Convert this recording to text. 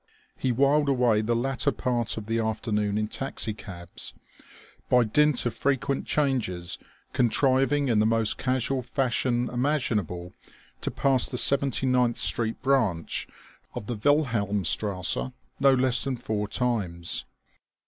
He whiled away the latter part of the afternoon in taxicabs, by dint of frequent changes contriving in the most casual fashion imaginable to pass the Seventy ninth Street branch of the Wilhelmstrasse no less than four times.